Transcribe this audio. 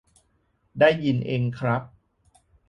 ได้ยินเองครับ